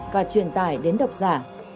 và truyền tải đến độc giả